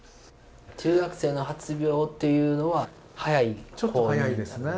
中学生の発病っていうのは早い方になるんですね。